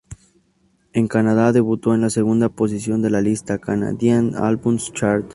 En Canadá, debutó en la segunda posición de la lista "Canadian Albums Chart".